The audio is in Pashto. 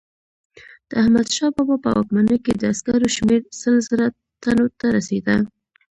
د احمدشاه بابا په واکمنۍ کې د عسکرو شمیر سل زره تنو ته رسېده.